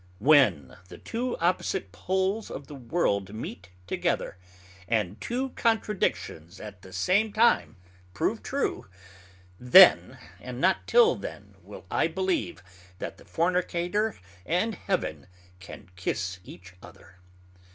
When the two opposite Poles of the World meet together, and two Contradictions at the same time prove true, then, and not till then, will I believe that the Fornicator and Heaven can kiss each other.